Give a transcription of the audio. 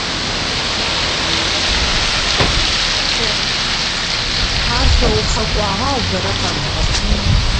Ар шъоухьэ кӀуагъэ, ау бэрэ къэтыгъэп.